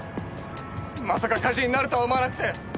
まさか火事になるとは思わなくて。